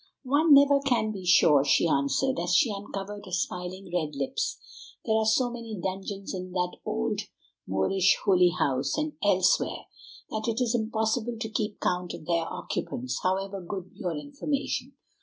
"One never can be sure," she answered as she uncovered her smiling red lips; "there are so many dungeons in that old Moorish Holy House, and elsewhere, that it is impossible to keep count of their occupants, however good your information.